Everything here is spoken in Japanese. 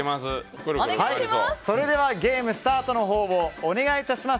それではゲームスタートのほうをお願いします。